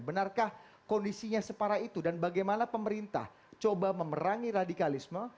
benarkah kondisinya separah itu dan bagaimana pemerintah coba memerangi radikalisme